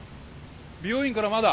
美容院からまだ。